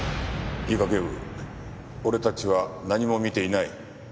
いいかケイブ俺たちは何も見ていない。